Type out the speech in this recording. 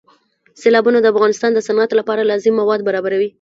سیلابونه د افغانستان د صنعت لپاره لازم مواد برابروي.